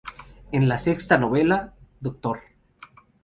En la sexta novela, Dr.